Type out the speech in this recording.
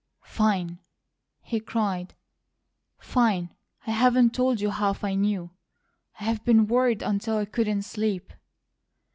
"Fine!" he cried. "Fine! I haven't told you HALF I knew. I've been worried until I couldn't sleep."